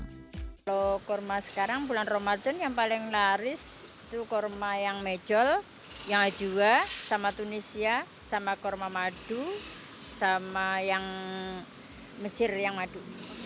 kalau kurma sekarang bulan ramadan yang paling laris itu kurma yang mejol yang ajua sama tunisia sama kurma madu sama yang mesir yang madu